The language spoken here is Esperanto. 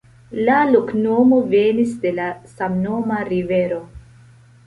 La loknomo venis de la samnoma rivero.